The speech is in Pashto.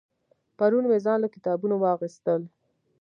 پرون مې ځان له کتابونه واغستل